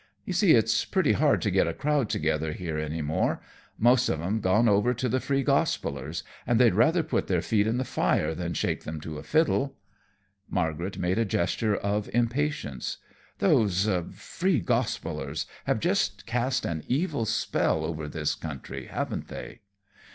You see it's pretty hard to get a crowd together here any more. Most of 'em have gone over to the Free Gospellers, and they'd rather put their feet in the fire than shake 'em to a fiddle." Margaret made a gesture of impatience. "Those Free Gospellers have just cast an evil spell over this country, haven't they?"